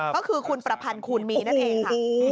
ก็คือคุณประพันคูณมีนั้นเอง